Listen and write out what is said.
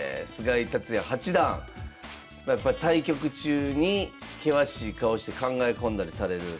対局中に険しい顔して考え込んだりされる。